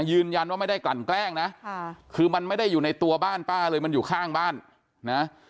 ยืนยันว่าไม่ได้กลั่นแกล้งนะคือมันไม่ได้อยู่ในตัวบ้านป้าเลยมันอยู่ข้างบ้านนะ